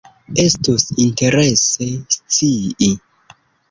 Estus interese scii.